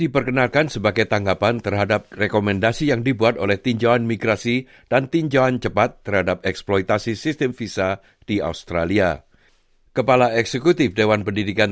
berita terkini mengenai penyedia pendidikan